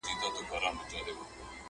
چي سېلونه د مرغیو چینارونو ته ستنیږي!.